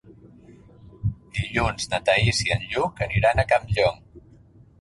Dilluns na Thaís i en Lluc aniran a Campllong.